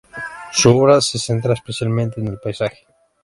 Su obra se centra especialmente en el paisaje.